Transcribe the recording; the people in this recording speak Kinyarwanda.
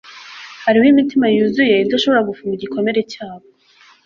hariho imitima yuzuye idashobora gufunga igikomere cyabo